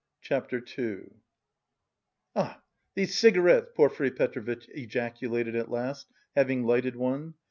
CHAPTER II "Ah these cigarettes!" Porfiry Petrovitch ejaculated at last, having lighted one.